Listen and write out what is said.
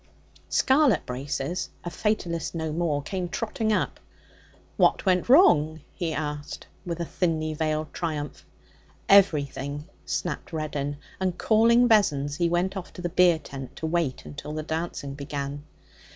Scarlet braces, a fatalist no more, came trotting up. 'What went wrong?' he asked with thinly veiled triumph. 'Everything,' snapped Reddin, and calling Vessons, he went off to the beer tent to wait till the dancing began.